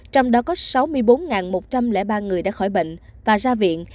trong đó có sáu mươi bốn một trăm linh ba người đã khỏi bệnh và ra viện